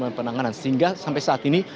melakukan penanganan sehingga sampai saat ini